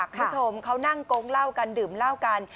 คุณผู้ชมเขานั่งโกงเหล้ากันดื่มเหล้ากัน